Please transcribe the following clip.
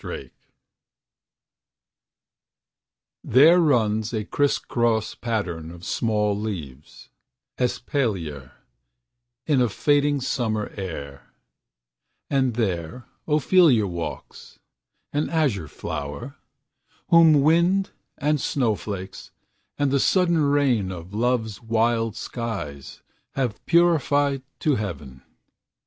OPHELIA There runs a crisscross pattern of small leaves Espalier, in a fading summer air, And there Ophelia walks, an azure flower, Whom wind, and snowflakes, and the sudden rain Of love's wild skies have purified to heaven.